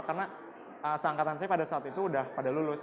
karena seangkatan saya pada saat itu sudah pada lulus